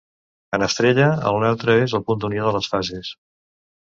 En estrella, el neutre és el punt d'unió de les fases.